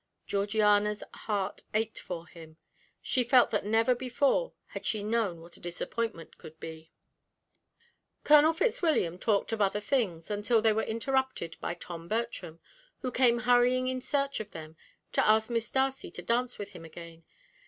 Georgiana's heart ached for him; she felt that never before had she known what a disappointment could be. Colonel Fitzwilliam talked of other things, until they were interrupted by Tom Bertram, who came hurrying in search of them to ask Miss Darcy to dance with him again.